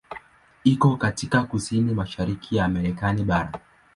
Iko katika kusini-mashariki ya Marekani bara.